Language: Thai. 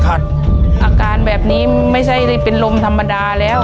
อาการแบบนี้ไม่ใช่ได้เป็นลมธรรมดาแล้ว